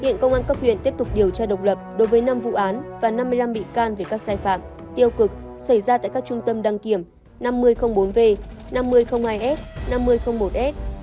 hiện công an cấp huyện tiếp tục điều tra độc lập đối với năm vụ án và năm mươi năm bị can về các sai phạm tiêu cực xảy ra tại các trung tâm đăng kiểm năm mươi bốn v năm mươi hai s năm mươi một s năm mươi chín z năm mươi một mươi hai z